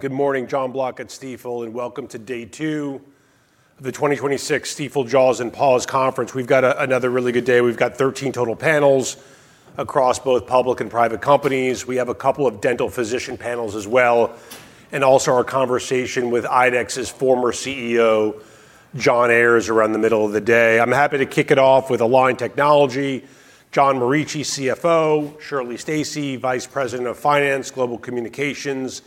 Good morning. Jonathan Block at Stifel, welcome to day two of the 2026 Stifel Jaws & Paws Conference. We've got another really good day. We've got 13 total panels across both public and private companies. We have a couple of dental physician panels as well, also our conversation with IDEXX's former CEO, Jonathan Ayers, around the middle of the day. I'm happy to kick it off with Align Technology, John Morici, CFO, Shirley Stacy, Vice President of Finance, Global Communications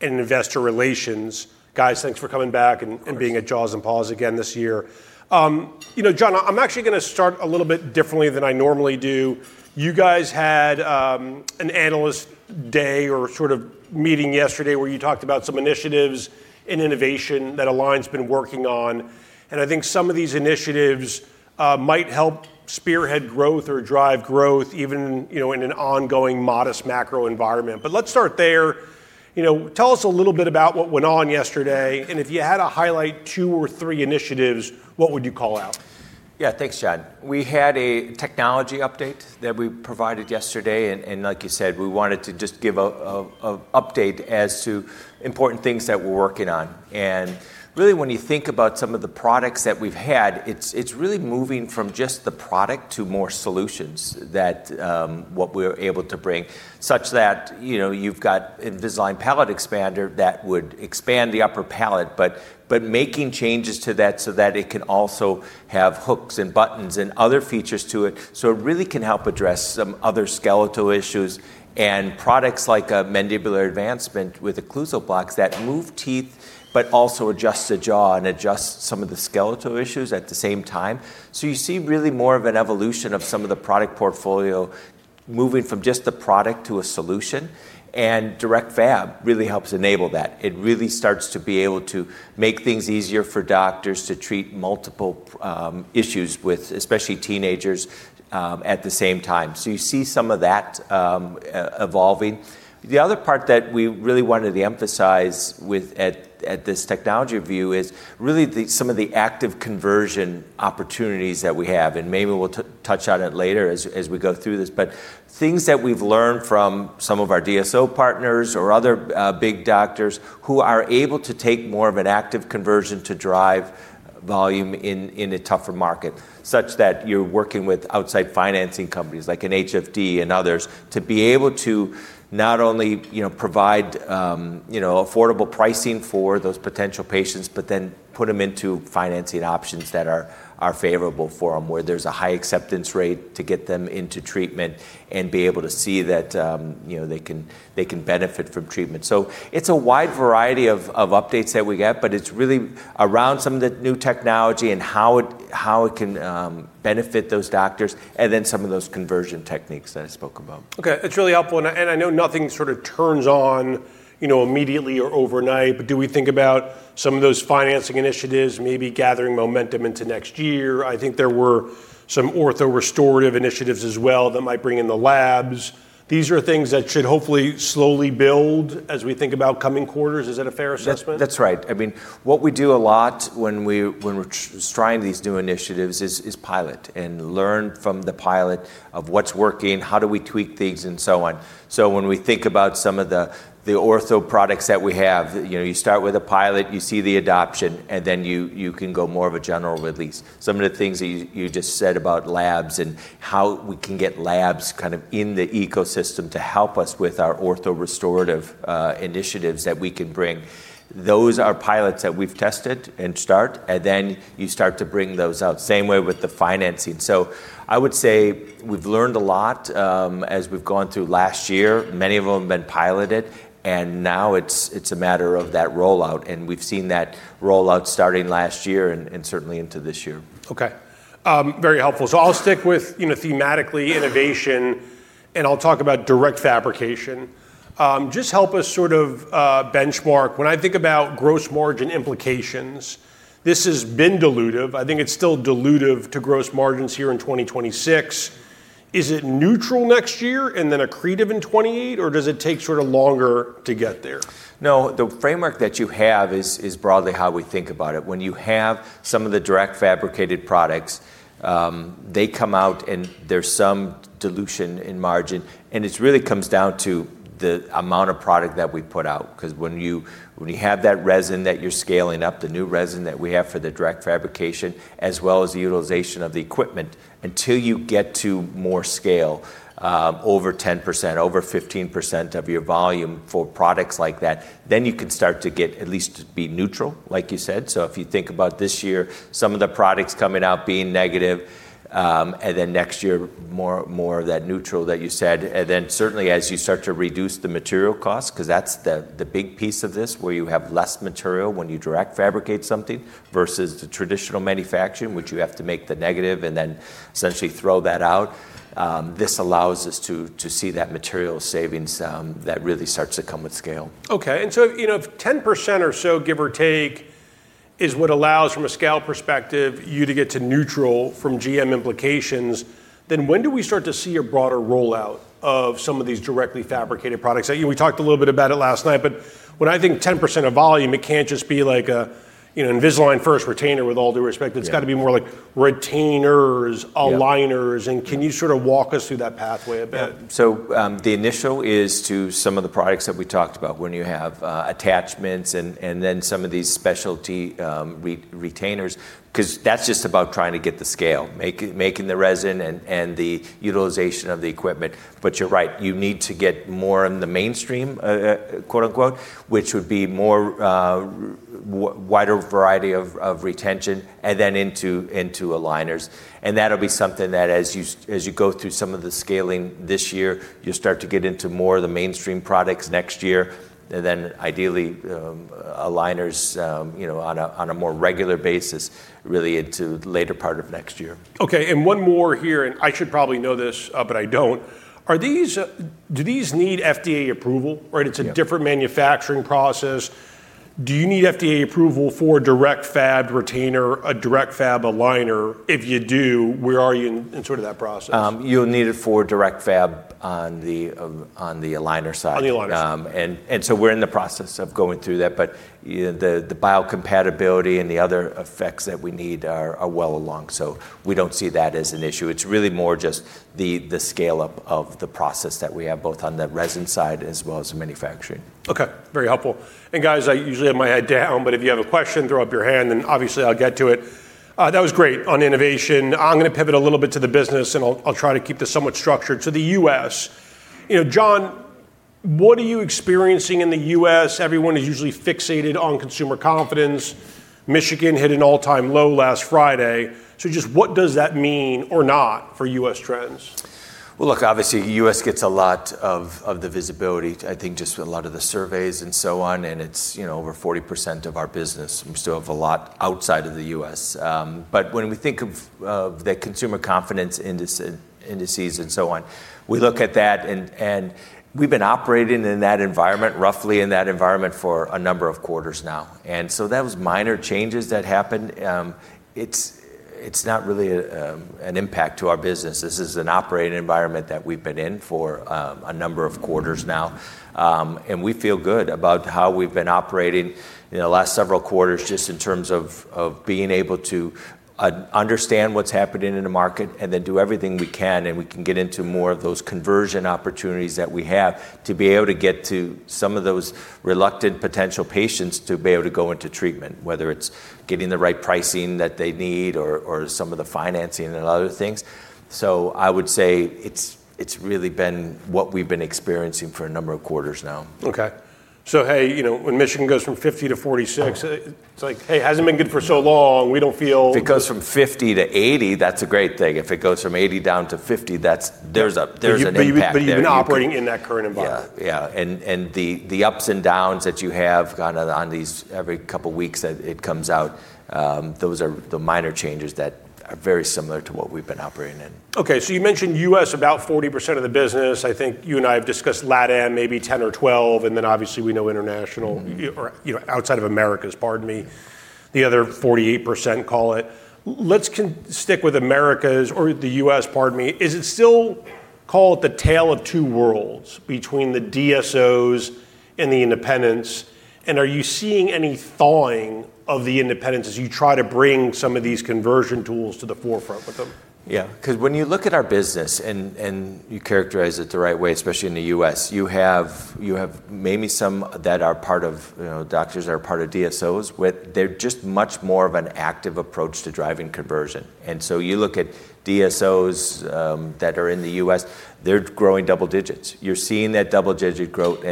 and Investor Relations. Guys, thanks for coming back. Of course Being at Jaws & Paws again this year. John, I'm actually going to start a little bit differently than I normally do. You guys had an analyst day or sort of meeting yesterday where you talked about some initiatives and innovation that Align's been working on, and I think some of these initiatives might help spearhead growth or drive growth even in an ongoing modest macro environment. Let's start there. Tell us a little bit about what went on yesterday, and if you had to highlight two or three initiatives, what would you call out? Yeah, thanks, Jon. We had a technology update that we provided yesterday, and like you said, we wanted to just give an update as to important things that we're working on. Really when you think about some of the products that we've had, it's really moving from just the product to more solutions that what we're able to bring, such that you've got Invisalign Palatal Expander that would expand the upper palate, but making changes to that so that it can also have hooks and buttons and other features to it. It really can help address some other skeletal issues and products like a mandibular advancement with occlusal blocks that move teeth but also adjust the jaw and adjust some of the skeletal issues at the same time. You see really more of an evolution of some of the product portfolio moving from just a product to a solution. Direct fab really helps enable that. It really starts to be able to make things easier for doctors to treat multiple issues with, especially teenagers, at the same time. You see some of that evolving. The other part that we really wanted to emphasize at this technology view is really some of the active conversion opportunities that we have. Maybe we'll touch on it later as we go through this, but things that we've learned from some of our DSO partners or other big doctors who are able to take more of an active conversion to drive volume in a tougher market, such that you're working with outside financing companies like an HFD and others to be able to not only provide affordable pricing for those potential patients, but then put them into financing options that are favorable for them, where there's a high acceptance rate to get them into treatment and be able to see that they can benefit from treatment. It's a wide variety of updates that we get, but it's really around some of the new technology and how it can benefit those doctors, and then some of those conversion techniques that I spoke about. Okay. It's really helpful, and I know nothing sort of turns on immediately or overnight, but do we think about some of those financing initiatives may be gathering momentum into next year? I think there were some ortho-restorative initiatives as well that might bring in the labs. These are things that should hopefully slowly build as we think about coming quarters. Is that a fair assessment? That's right. What we do a lot when we're trying these new initiatives is pilot and learn from the pilot of what's working, how do we tweak things and so on. When we think about some of the ortho products that we have, you start with a pilot, you see the adoption, and then you can go more of a general release. Some of the things that you just said about labs and how we can get labs kind of in the ecosystem to help us with our ortho-restorative initiatives that we can bring. Those are pilots that we've tested and start, and then you start to bring those out. Same way with the financing. I would say we've learned a lot as we've gone through last year. Many of them have been piloted, and now it's a matter of that rollout, and we've seen that rollout starting last year and certainly into this year. Okay. Very helpful. I'll stick with thematically innovation, and I'll talk about direct fabrication. Just help us sort of benchmark. When I think about gross margin implications, this has been dilutive. I think it's still dilutive to gross margins here in 2026. Is it neutral next year and then accretive in 2028, does it take sort of longer to get there? No, the framework that you have is broadly how we think about it. When you have some of the direct fabricated products, they come out and there's some dilution in margin, and it really comes down to the amount of product that we put out. When you have that resin that you're scaling up, the new resin that we have for the direct fabrication, as well as the utilization of the equipment, until you get to more scale, over 10%, over 15% of your volume for products like that, then you can start to get at least to be neutral, like you said. If you think about this year, some of the products coming out being negative, and then next year, more of that neutral that you said. Certainly as you start to reduce the material cost, because that's the big piece of this where you have less material when you direct fabricate something versus the traditional manufacturing, which you have to make the negative and then essentially throw that out. This allows us to see that material savings that really starts to come with scale. Okay. If 10% or so, give or take is what allows from a scale perspective you to get to neutral from GM implications, then when do we start to see a broader rollout of some of these directly fabricated products? We talked a little bit about it last night, when I think 10% of volume, it can't just be like Invisalign First retainer with all due respect. Yeah. It's got to be more like retainers. Yeah aligners, and can you sort of walk us through that pathway a bit? Yeah. The initial is to some of the products that we talked about when you have attachments and then some of these specialty retainers, because that's just about trying to get the scale, making the resin and the utilization of the equipment. You're right, you need to get more in the mainstream, quote unquote, which would be more wider variety of retention and then into aligners. That'll be something that as you go through some of the scaling this year, you start to get into more of the mainstream products next year, ideally, aligners on a more regular basis really into later part of next year. Okay. One more here, and I should probably know this, but I don't. Do these need FDA approval, right? Yeah. It's a different manufacturing process. Do you need FDA approval for direct fab retainer, a direct fab aligner? If you do, where are you in sort of that process? You'll need it for direct fab on the aligner side. On the aligner side. We're in the process of going through that. The biocompatibility and the other effects that we need are well along. We don't see that as an issue. It's really more just the scale-up of the process that we have, both on the resin side as well as the manufacturing. Okay. Very helpful. Guys, I usually have my head down, but if you have a question, throw up your hand and obviously I'll get to it. That was great on innovation. I'm going to pivot a little bit to the business and I'll try to keep this somewhat structured to the U.S. John, what are you experiencing in the U.S.? Everyone is usually fixated on consumer confidence. Michigan hit an all-time low last Friday. Just what does that mean or not for U.S. trends? Look, obviously, U.S. gets a lot of the visibility, I think just a lot of the surveys and so on, and it's over 40% of our business. We still have a lot outside of the U.S. When we think of the consumer confidence indices and so on, we look at that and we've been operating in that environment, roughly in that environment for a number of quarters now. That was minor changes that happened. It's not really an impact to our business. This is an operating environment that we've been in for a number of quarters now. We feel good about how we've been operating in the last several quarters, just in terms of being able to understand what's happening in the market and then do everything we can, and we can get into more of those conversion opportunities that we have to be able to get to some of those reluctant potential patients to be able to go into treatment. Whether it's getting the right pricing that they need or some of the financing and other things. I would say it's really been what we've been experiencing for a number of quarters now. Okay. Hey, when Michigan goes from 50 to 46, it's like, hey, hasn't been good for so long. If it goes from 50 to 80, that's a great thing. If it goes from 80 down to 50, there's an impact there. You've been operating in that current environment. Yeah. The ups and downs that you have kind of on these every couple of weeks that it comes out, those are the minor changes that are very similar to what we've been operating in. Okay. You mentioned U.S., about 40% of the business. I think you and I have discussed LATAM, maybe 10% or 12%, obviously we know international. Outside of Americas, pardon me. The other 48%, call it. Let's stick with Americas or the U.S., pardon me. Is it still, call it the tale of two worlds between the DSOs and the independents, and are you seeing any thawing of the independents as you try to bring some of these conversion tools to the forefront with them? When you look at our business and you characterize it the right way, especially in the U.S., you have maybe some doctors that are part of DSOs, where they're just much more of an active approach to driving conversion. You look at DSOs that are in the U.S., they're growing double digits. You're seeing that double-digit growth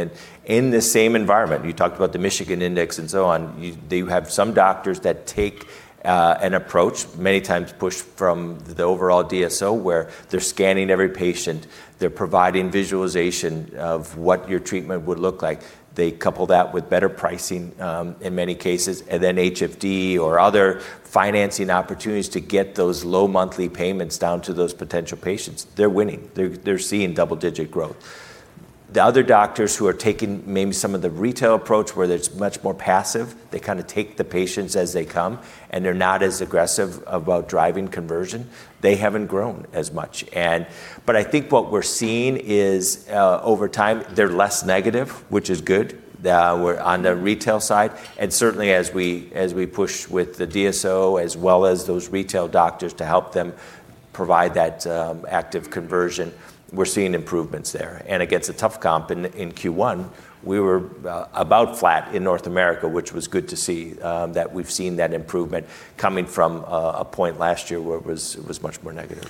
in the same environment. You talked about the Michigan index and so on. They have some doctors that take an approach, many times pushed from the overall DSO, where they're scanning every patient. They're providing visualization of what your treatment would look like. They couple that with better pricing, in many cases, then HFD or other financing opportunities to get those low monthly payments down to those potential patients. They're winning. They're seeing double-digit growth. The other doctors who are taking maybe some of the retail approach, where it's much more passive, they kind of take the patients as they come, and they're not as aggressive about driving conversion. They haven't grown as much. I think what we're seeing is, over time, they're less negative, which is good, on the retail side. Certainly, as we push with the DSO as well as those retail doctors to help them provide that active conversion, we're seeing improvements there. Against a tough comp in Q1, we were about flat in North America, which was good to see, that we've seen that improvement coming from a point last year where it was much more negative.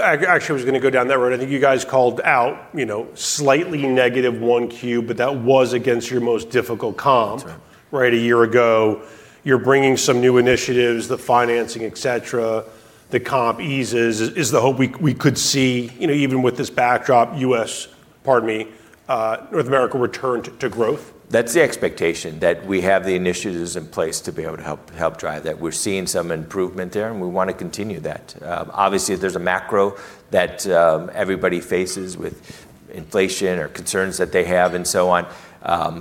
Actually, I was going to go down that road. I think you guys called out slightly negative 1Q, but that was against your most difficult comp. That's right. Right? A year ago. You're bringing some new initiatives, the financing, et cetera. The comp eases is the hope we could see, even with this backdrop, U.S. pardon me, North America return to growth? That's the expectation, that we have the initiatives in place to be able to help drive that. We're seeing some improvement there, and we want to continue that. Obviously, there's a macro that everybody faces with inflation or concerns that they have and so on,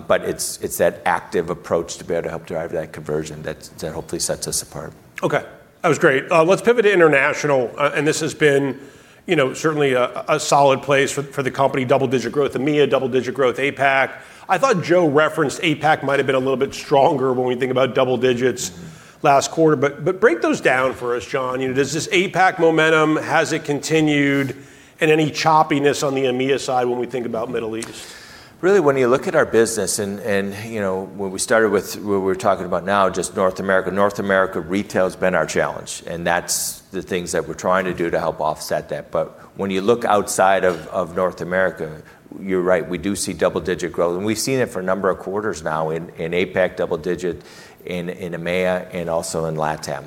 but it's that active approach to be able to help drive that conversion that hopefully sets us apart. Okay. That was great. Let's pivot to international. This has been certainly a solid place for the company. Double-digit growth EMEA, double-digit growth APAC. I thought Joe referenced APAC might have been a little bit stronger when we think about double digits last quarter. Break those down for us, John. Does this APAC momentum, has it continued, and any choppiness on the EMEA side when we think about Middle East? Really, when you look at our business and when we started with where we're talking about now, just North America. North America retail's been our challenge, and that's the things that we're trying to do to help offset that. When you look outside of North America, you're right. We do see double-digit growth, and we've seen it for a number of quarters now in APAC double digit, in EMEA, and also in LATAM.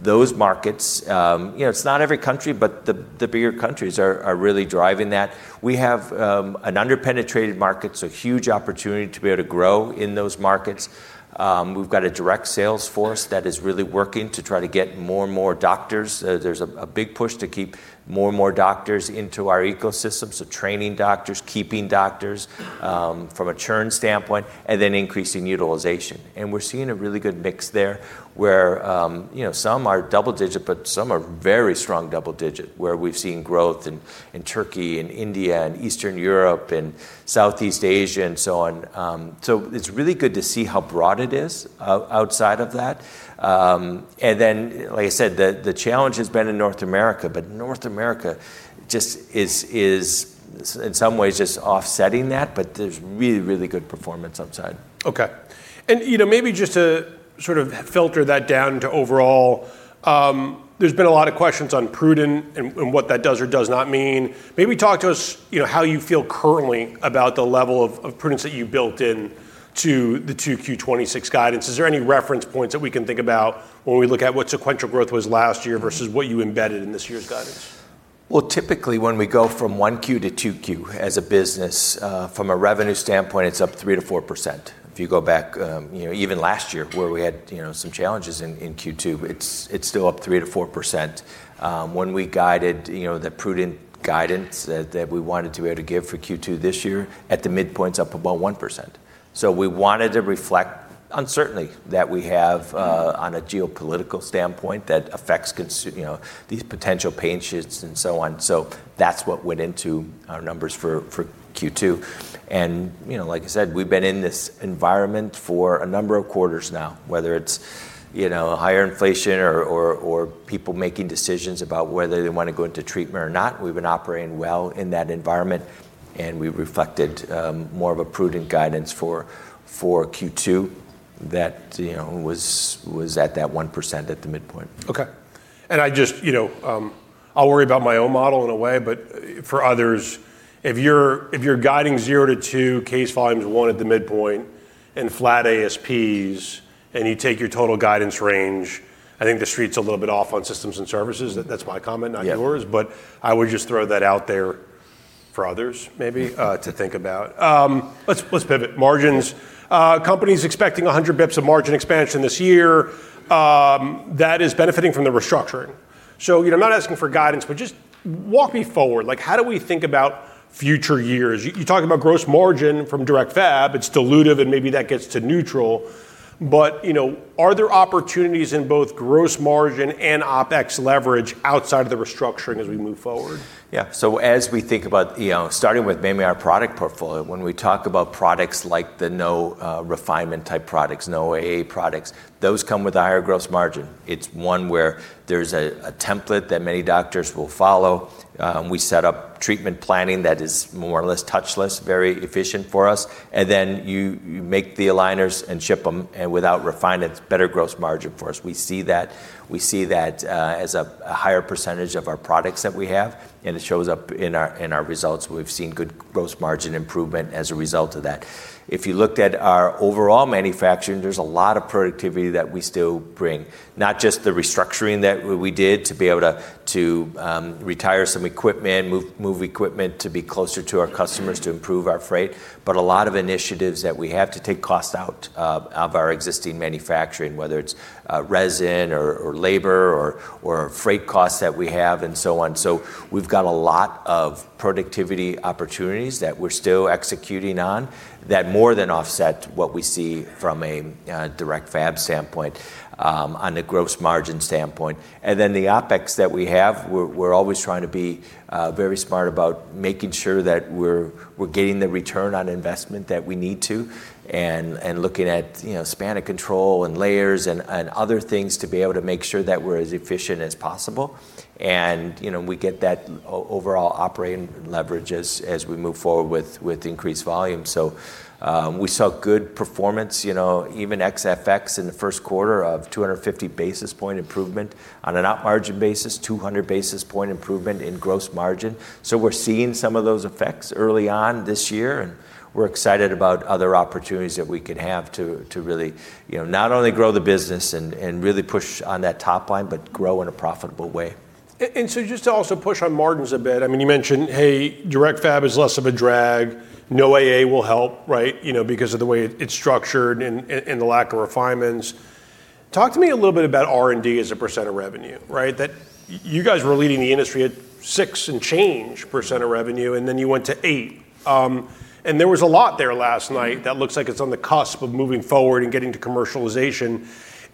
Those markets, it's not every country, but the bigger countries are really driving that. We have an under-penetrated market, huge opportunity to be able to grow in those markets. We've got a direct sales force that is really working to try to get more and more doctors. There's a big push to keep more and more doctors into our ecosystem, training doctors, keeping doctors from a churn standpoint, and then increasing utilization. We're seeing a really good mix there where some are double digit, but some are very strong double digit, where we've seen growth in Turkey and India and Eastern Europe and Southeast Asia and so on. It's really good to see how broad it is outside of that. Then, like I said, the challenge has been in North America, but North America just is, in some ways, just offsetting that, but there's really, really good performance outside. Okay. Maybe just to sort of filter that down to overall, there's been a lot of questions on prudent and what that does or does not mean. Maybe talk to us how you feel currently about the level of prudence that you built into the 2Q 2026 guidance. Is there any reference points that we can think about when we look at what sequential growth was last year versus what you embedded in this year's guidance? Well, typically, when we go from 1Q to 2Q as a business, from a revenue standpoint, it's up 3%-4%. If you go back, even last year where we had some challenges in Q2, it's still up 3%-4%. When we guided the prudent guidance that we wanted to be able to give for Q2 this year, at the midpoint's up about 1%. We wanted to reflect uncertainty that we have on a geopolitical standpoint that affects these potential pay shifts and so on. That's what went into our numbers for Q2. Like I said, we've been in this environment for a number of quarters now, whether it's higher inflation or people making decisions about whether they want to go into treatment or not. We've been operating well in that environment. We reflected more of a prudent guidance for Q2 that was at that 1% at the midpoint. Okay. I'll worry about my own model in a way, but for others, if you're guiding zero to two case volumes, one at the midpoint and flat ASPs, and you take your total guidance range, I think the Street's a little bit off on systems and services. That's my comment, not yours. Yeah. I would just throw that out there for others maybe to think about. Let's pivot. Margins. Company's expecting 100 basis points of margin expansion this year. That is benefiting from the restructuring. I'm not asking for guidance, just walk me forward. How do we think about future years? You talk about gross margin from direct fab. It's dilutive and maybe that gets to neutral. Are there opportunities in both gross margin and OpEx leverage outside of the restructuring as we move forward? Yeah. As we think about starting with mainly our product portfolio, when we talk about products like the no refinement type products, no AA products, those come with a higher gross margin. It's one where there's a template that many doctors will follow. We set up treatment planning that is more or less touchless, very efficient for us. You make the aligners and ship them, and without refinements, better gross margin for us. We see that as a higher % of our products that we have, and it shows up in our results. We've seen good gross margin improvement as a result of that. If you looked at our overall manufacturing, there's a lot of productivity that we still bring, not just the restructuring that we did to be able to retire some equipment, move equipment to be closer to our customers to improve our freight, but a lot of initiatives that we have to take cost out of our existing manufacturing, whether it's resin or labor or freight costs that we have and so on. We've got a lot of productivity opportunities that we're still executing on that more than offset what we see from a direct fab standpoint on a gross margin standpoint. The OpEx that we have, we're always trying to be very smart about making sure that we're getting the return on investment that we need to and looking at span of control and layers and other things to be able to make sure that we're as efficient as possible. We get that overall operating leverage as we move forward with increased volume. We saw good performance, even XFX in the first quarter of 250 basis point improvement on an op margin basis, 200 basis point improvement in gross margin. We're excited about other opportunities that we can have to really not only grow the business and really push on that top line, but grow in a profitable way. Just to also push on margins a bit. You mentioned, hey, direct fab is less of a drag. Zero AA will help, because of the way it's structured and the lack of refinements. Talk to me a little bit about R&D as a % of revenue. That you guys were leading the industry at six and change % of revenue, then you went to eight. There was a lot there last night that looks like it's on the cusp of moving forward and getting to commercialization.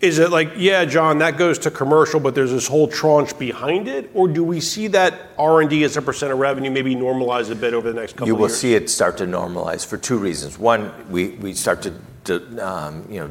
Is it like, "Yeah, John, that goes to commercial, there's this whole tranche behind it?" Do we see that R&D as a % of revenue maybe normalize a bit over the next couple years? You will see it start to normalize for two reasons. One, we start to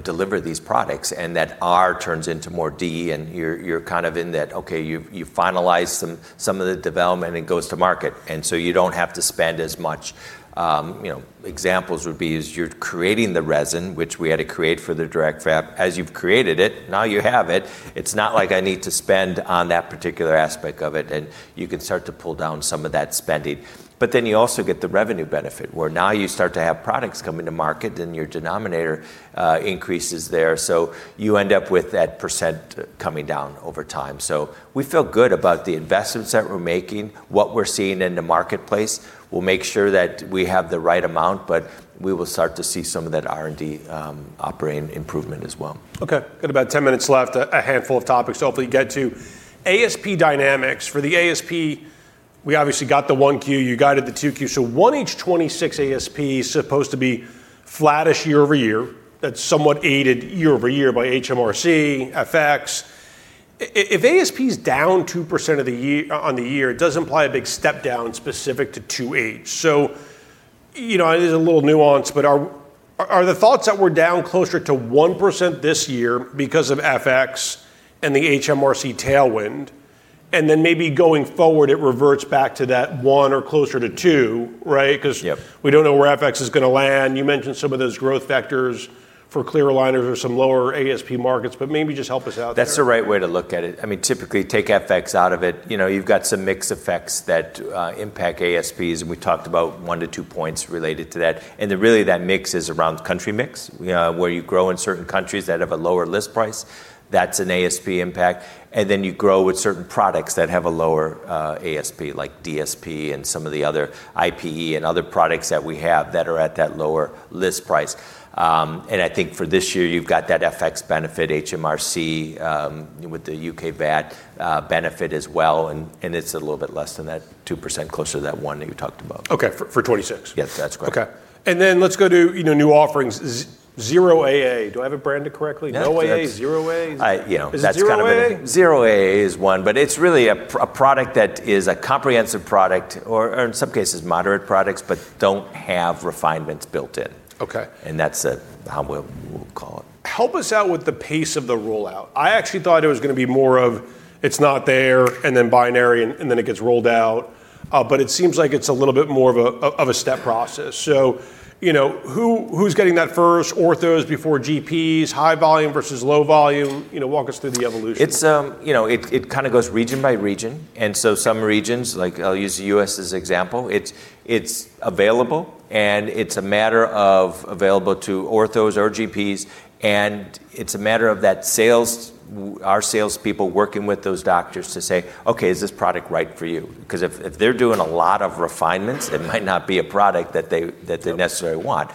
deliver these products and that R turns into more D, and you're kind of in that, okay, you finalize some of the development and it goes to market, and so you don't have to spend as much. Examples would be is you're creating the resin, which we had to create for the direct fab. As you've created it, now you have it. It's not like I need to spend on that particular aspect of it, and you can start to pull down some of that spending. Then you also get the revenue benefit, where now you start to have products coming to market and your denominator increases there. You end up with that percent coming down over time. We feel good about the investments that we're making. What we're seeing in the marketplace will make sure that we have the right amount, but we will start to see some of that R&D operating improvement as well. Okay. Got about 10 minutes left, a handful of topics to hopefully get to. ASP dynamics. For the ASP, we obviously got the 1Q, you guided the 2Q. 1H 2026 ASP is supposed to be flattish year-over-year. That's somewhat aided year-over-year by HMRC, FX. If ASP's down 2% on the year, it does imply a big step down specific to 2H. It is a little nuanced, but are the thoughts that we're down closer to 1% this year because of FX and the HMRC tailwind, and then maybe going forward, it reverts back to that one or closer to two? Yep. We don't know where FX is going to land. You mentioned some of those growth vectors for clear aligners or some lower ASP markets. Maybe just help us out there. That's the right way to look at it. Typically, take FX out of it. You've got some mix effects that impact ASPs, and we talked about one to two points related to that. Really that mix is around country mix, where you grow in certain countries that have a lower list price. That's an ASP impact. You grow with certain products that have a lower ASP, like DSP and some of the other IPE and other products that we have that are at that lower list price. I think for this year, you've got that FX benefit, HMRC, with the U.K. VAT benefit as well, and it's a little bit less than that 2%, closer to that 1% that you talked about. Okay. For 2026? Yes, that's correct. Okay. Let's go to new offerings. Zero AA. Do I have it branded correctly? Yeah. Zero AA? That's kind of. Is it Zero AA? Zero AA is one, but it's really a product that is a comprehensive product or in some cases, moderate products, but don't have refinements built in. Okay. That's how we'll call it. Help us out with the pace of the rollout. I actually thought it was going to be more of, it's not there and then binary and then it gets rolled out. It seems like it's a little bit more of a step process. Who's getting that first? Orthos before GPs, high volume versus low volume. Walk us through the evolution. It kind of goes region by region. Some regions, like I'll use the U.S. as example, it's available. It's a matter of available to orthos or GPs. It's a matter of our sales people working with those doctors to say, "Okay, is this product right for you?" Because if they're doing a lot of refinements, it might not be a product that they necessarily want.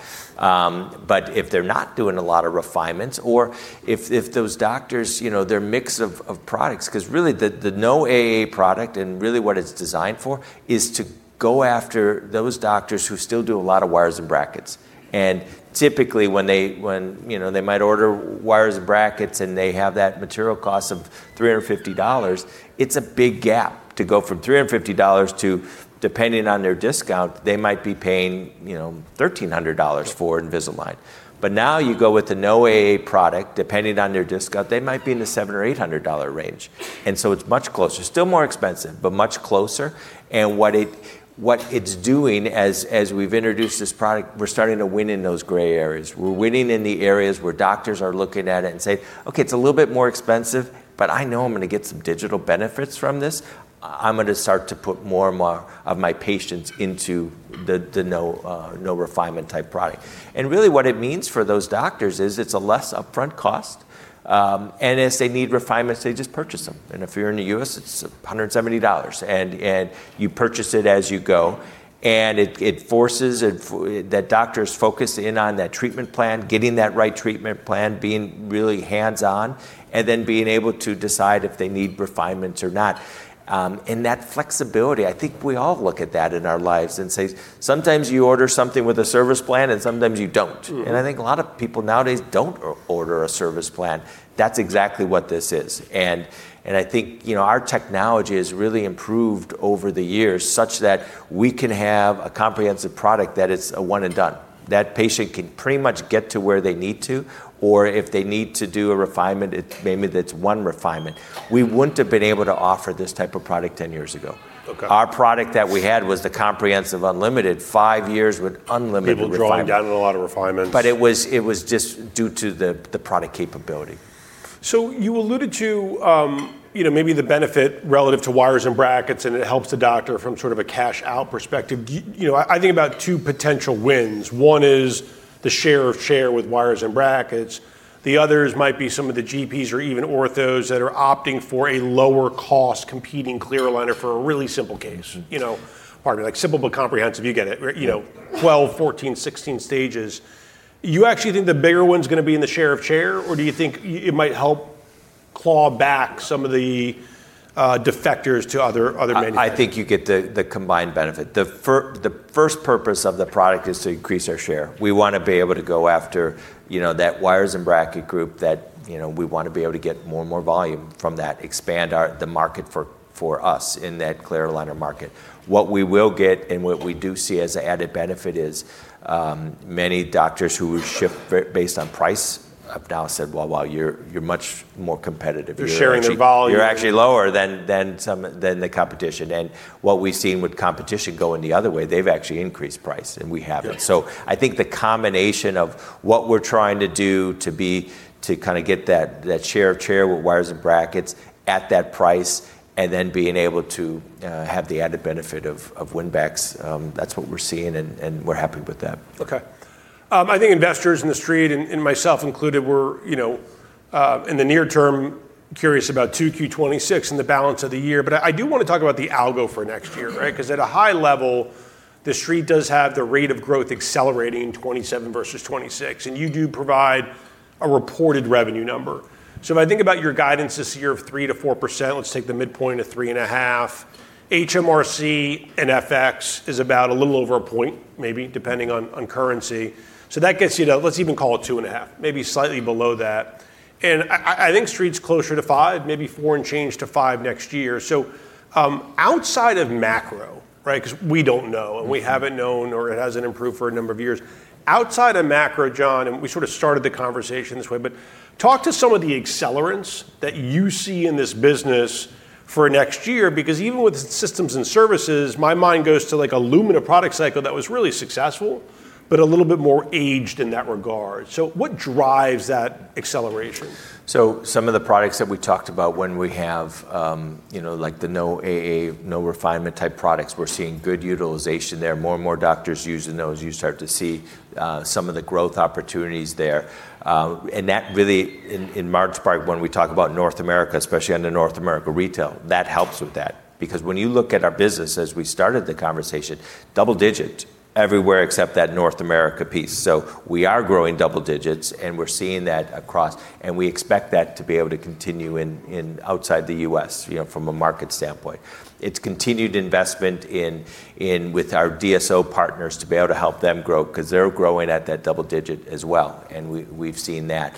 If they're not doing a lot of refinements or if those doctors, their mix of products, because really the Zero AA product and really what it's designed for is to go after those doctors who still do a lot of wires and brackets. Typically, when they might order wires and brackets and they have that material cost of $350, it's a big gap to go from $350 to, depending on their discount, they might be paying $1,300 for Invisalign. Now you go with the Zero AA product, depending on their discount, they might be in the $700 or $800 range. It's much closer. Still more expensive, but much closer. What it's doing as we've introduced this product, we're starting to win in those gray areas. We're winning in the areas where doctors are looking at it and saying, "Okay, it's a little bit more expensive, but I know I'm going to get some digital benefits from this. I'm going to start to put more and more of my patients into the no refinement type product." Really what it means for those doctors is it's a less upfront cost. As they need refinements, they just purchase them. If you're in the U.S., it's $170. You purchase it as you go. It forces that doctors focus in on that treatment plan, getting that right treatment plan, being really hands-on, and then being able to decide if they need refinements or not. That flexibility, I think we all look at that in our lives and say, sometimes you order something with a service plan and sometimes you don't. I think a lot of people nowadays don't order a service plan. That's exactly what this is. I think our technology has really improved over the years such that we can have a comprehensive product that it's a one and done. That patient can pretty much get to where they need to, or if they need to do a refinement, maybe that's one refinement. We wouldn't have been able to offer this type of product 10 years ago. Okay. Our product that we had was the comprehensive unlimited. Five years with unlimited refinements. People drawing down on a lot of refinements. It was just due to the product capability. You alluded to maybe the benefit relative to wires and brackets, and it helps the doctor from sort of a cash-out perspective. I think about two potential wins. One is the share of share with wires and brackets. The others might be some of the GPs or even orthos that are opting for a lower cost competing clear aligner for a really simple case. Pardon me. Simple but comprehensive, you get it. 12, 14, 16 stages. You actually think the bigger one's going to be in the share of share, or do you think it might help claw back some of the defectors to other manufacturers? I think you get the combined benefit. The first purpose of the product is to increase our share. We want to be able to go after that wires and bracket group. We want to be able to get more and more volume from that, expand the market for us in that clear aligner market. What we will get and what we do see as an added benefit is many doctors who have shipped based on price have now said, "Well, wow, you're much more competitive. They're sharing their volume. You're actually lower than the competition. What we've seen with competition going the other way, they've actually increased price and we haven't. Yeah. I think the combination of what we're trying to do to kind of get that share of share with wires and brackets at that price, and then being able to have the added benefit of win backs, that's what we're seeing, and we're happy with that. Okay. I think investors in the Street, and myself included, were in the near term, curious about 2Q 2026 and the balance of the year. I do want to talk about the algo for next year, right? At a high level, the Street does have the rate of growth accelerating 2027 versus 2026. You do provide a reported revenue number. If I think about your guidance this year of 3% to 4%, let's take the midpoint of 3.5%. HMRC and FX is about a little over a point, maybe, depending on currency. That gets you to, let's even call it 2.5%, maybe slightly below that. I think Street's closer to 5%, maybe 4% and change to 5% next year. Outside of macro, right? We don't know and we haven't known or it hasn't improved for a number of years. Outside of macro, John, and we sort of started the conversation this way, but talk to some of the accelerants that you see in this business for next year. Because even with systems and services, my mind goes to like a Lumina product cycle that was really successful, but a little bit more aged in that regard. What drives that acceleration? Some of the products that we talked about when we have the no AA, no refinement type products, we're seeing good utilization there. More and more doctors using those. You start to see some of the growth opportunities there. That really in large part when we talk about North America, especially under North America Retail, that helps with that. When you look at our business as we started the conversation, double-digit everywhere except that North America piece. We are growing double digits, and we're seeing that across, and we expect that to be able to continue outside the U.S. from a market standpoint. It's continued investment with our DSO partners to be able to help them grow because they're growing at that double-digit as well, and we've seen that.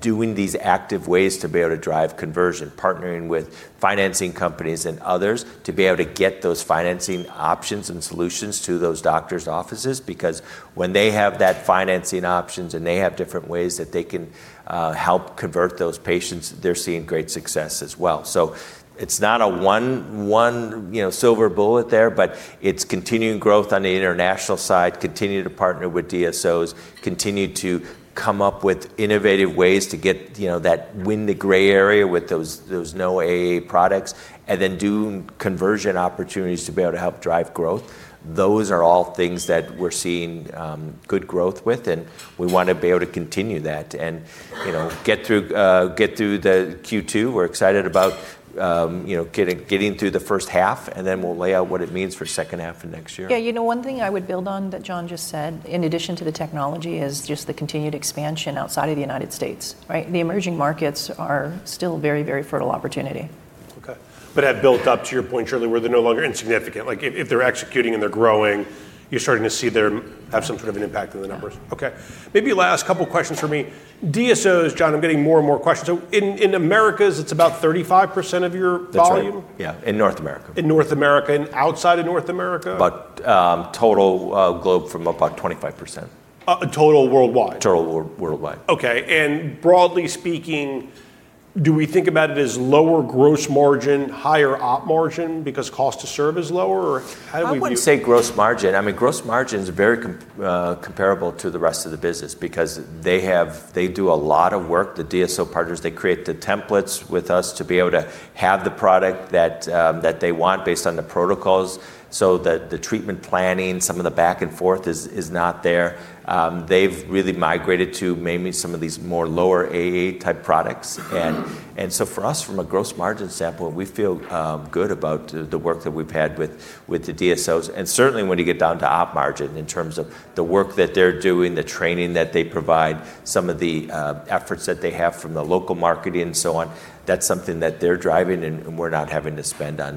Doing these active ways to be able to drive conversion, partnering with financing companies and others to be able to get those financing options and solutions to those doctor's offices. Because when they have that financing options and they have different ways that they can help convert those patients, they're seeing great success as well. It's not a one silver bullet there, but it's continuing growth on the international side, continue to partner with DSOs, continue to come up with innovative ways to win the gray area with those no AA products, and then do conversion opportunities to be able to help drive growth. Those are all things that we're seeing good growth with, and we want to be able to continue that and get through the Q2. We're excited about getting through the first half, and then we'll lay out what it means for second half of next year. One thing I would build on that Jonathan just said, in addition to the technology, is just the continued expansion outside of the United States, right? The emerging markets are still very fertile opportunity. Okay. Have built up, to your point, Shirley, where they're no longer insignificant. If they're executing and they're growing, you're starting to see they have some sort of an impact on the numbers. Yeah. Okay. Maybe last couple questions for me. DSOs, John, I'm getting more and more questions. In Americas, it's about 35% of your volume? That's right. Yeah. In North America. In North America. Outside of North America? Total globe from about 25%. Total worldwide? Total worldwide. Okay. Broadly speaking, do we think about it as lower gross margin, higher op margin because cost to serve is lower? How do we view? I wouldn't say gross margin. Gross margin is very comparable to the rest of the business because they do a lot of work, the DSO partners. They create the templates with us to be able to have the product that they want based on the protocols so that the treatment planning, some of the back and forth is not there. They've really migrated to mainly some of these more lower AA-type products. For us, from a gross margin standpoint, we feel good about the work that we've had with the DSOs. Certainly, when you get down to op margin in terms of the work that they're doing, the training that they provide, some of the efforts that they have from the local marketing and so on, that's something that they're driving and we're not having to spend on.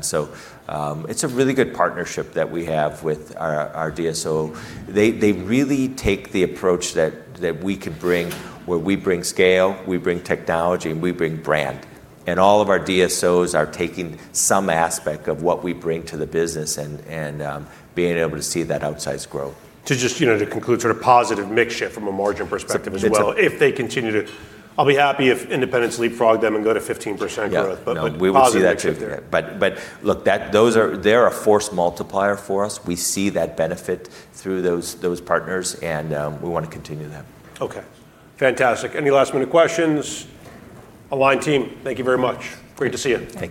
It's a really good partnership that we have with our DSO. They really take the approach that we can bring where we bring scale, we bring technology, and we bring brand. All of our DSOs are taking some aspect of what we bring to the business and being able to see that outsized growth. To conclude sort of positive mix shift from a margin perspective as well. It's If they continue to I'll be happy if independents leapfrog them and go to 15% growth. Yeah. No. Positive mix shift there. We will see that too. Look, they're a force multiplier for us. We see that benefit through those partners, and we want to continue that. Okay. Fantastic. Any last-minute questions? Align team, thank you very much. Great to see you. Thank you.